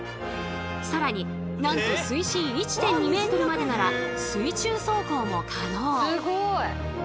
さらになんと水深１．２ｍまでなら水中走行も可能。